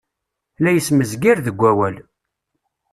La ismezgir deg wawal.